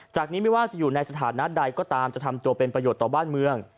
จากนี้ไม่ว่าจะอยู่ในสถานะใดก็ตามจะทำตัวเป็นประโยชน์ต่อบ้านเมือง